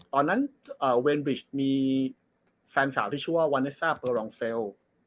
ตอนนั้นเวนบริชมีแฟนสาวที่ชื่อว่าวาเนสซ่าเปอร์รองเซล